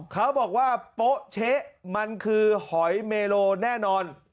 เขาบอกว่าโป๊ะเช๊ะมันคือหอยเมโลแน่นอน